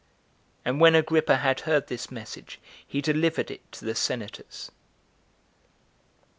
And when Agrippa had heard this message, he delivered it to the senators. 4.